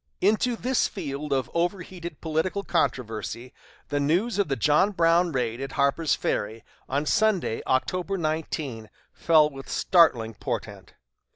Into this field of overheated political controversy the news of the John Brown raid at Harper's Ferry on Sunday, October 19, fell with startling portent.